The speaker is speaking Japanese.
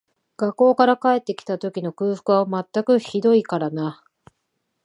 学校から帰って来た時の空腹は全くひどいからな